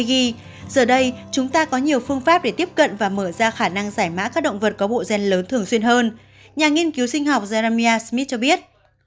giờ đây chúng ta có nhiều phương pháp để tiếp cận và mở ra khả năng giải mã các động vật có bộ gen lớn thường xuyên hơn nhà nghiên cứu sinh học zarramia smith cho biết